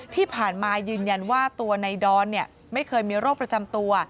ที่ผ่านมายืนยันว่าตัวในดอนไม่เคยมีโรคประจำตัว